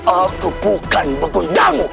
aku bukan begundamu